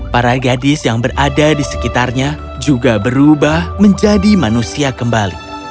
para gadis yang berada di sekitarnya juga berubah menjadi manusia kembali